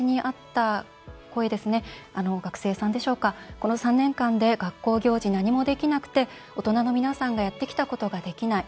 学生さんでしょうかこの３年間で何もできなくて大人の皆さんがやってきたことができない。